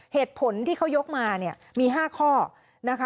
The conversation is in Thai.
เหตุผลที่เขายกมามี๕ข้อ